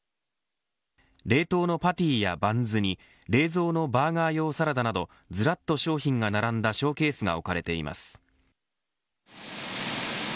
冷凍のパティやバンズに冷蔵のバーガー用サラダなどずらっと商品が並んだショーケースが置かれています。